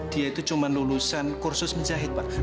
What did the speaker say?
dia itu cuma lulusan kursus menjahit pak